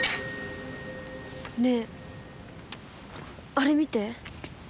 ねえあれ見て。